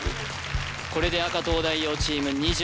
これで赤・東大王チーム２０